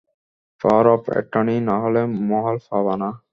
Power of attorney না হলে, মহল পাবা না।